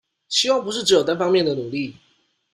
希望不是只有單方面的努力